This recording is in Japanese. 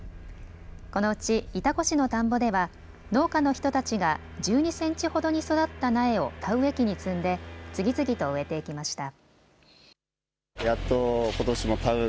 このうち潮来市の田んぼでは農家の人たちが１２センチほどに育った苗を田植え機に積んで次々と植えていきました。